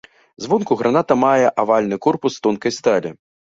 Звонку граната мае авальны корпус з тонкай сталі.